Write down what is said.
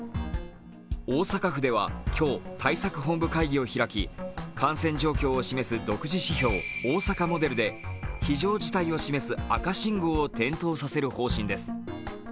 大阪府では今日、対策本部会議を開き感染状況を示す独自指標、大阪モデルで非常事態を示す赤信号を点灯させる方針です。